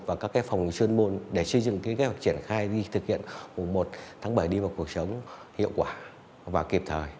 và các phòng chuyên môn để xây dựng kế hoạch triển khai đi thực hiện mùa một tháng bảy đi vào cuộc sống hiệu quả và kịp thời